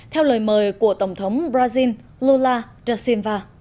theo lời mời của tổng thống brazil lula da silva